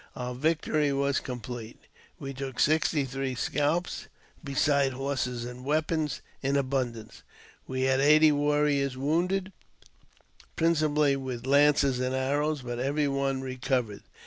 Our victory was complete. We took sixty three scalps, besides horses an^ weapons in abundance. We had eighty warriors woundedJ principally with lances and arrows, but every one recovered.!